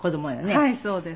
はいそうです。